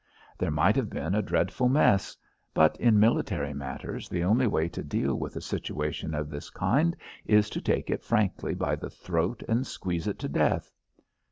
There might have been a dreadful mess; but in military matters the only way to deal with a situation of this kind is to take it frankly by the throat and squeeze it to death.